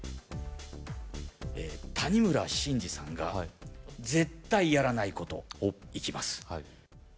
谷村新司さんが絶対やらないこといきます